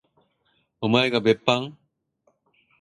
おまえが別班？